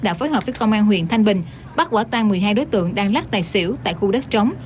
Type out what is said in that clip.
đã phối hợp với công an huyện thanh bình bắt quả tan một mươi hai đối tượng đang lắc tài xỉu tại khu đất trống